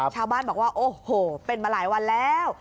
ชาวบ้านบอกว่าโอ้โหเป็นมาหลายวันแล้ว